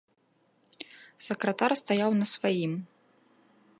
Сакратар стаяў на сваім.